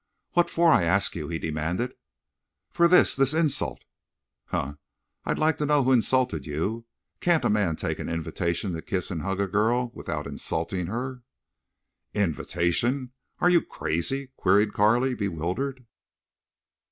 "What fer, I ask you?" he demanded. "For this—this insult." "Huh! I'd like to know who's insulted you. Can't a man take an invitation to kiss an' hug a girl—without insultin' her?" "Invitation!... Are you crazy?" queried Carley, bewildered.